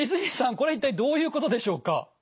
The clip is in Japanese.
これ一体どういうことでしょうか？